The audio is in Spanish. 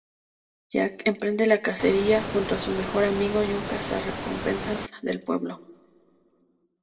Jack emprende la cacería junto a su mejor amigo y un cazarrecompensas del pueblo.